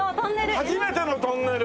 初めてのトンネル！